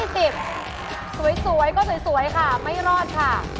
สวยก็สวยค่ะไม่รอดค่ะ